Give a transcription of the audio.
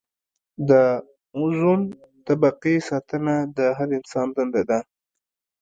د اوزون طبقې ساتنه د هر انسان دنده ده.